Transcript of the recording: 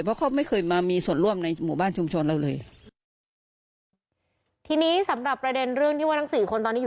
เพราะเขาไม่เคยมามีส่วนร่วมในหมู่บ้านชุมชนเราเลย